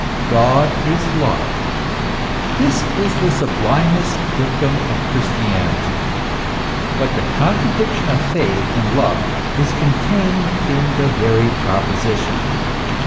God is love. This is the sublimest dictum of Christianity. But the contradiction of faith and love is contained in the very proposition.